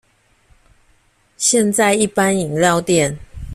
現在一般飲料店